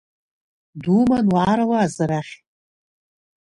Думан уаарауаз арахь!